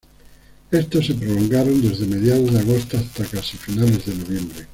Estos se prolongaron desde mediados de agosto hasta casi finales de noviembre.